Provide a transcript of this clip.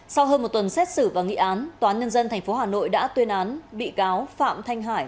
sau hơn một tuần xét xử và nghị án toán nhân dân tp hcm đã tuyên án bị cáo phạm thanh hải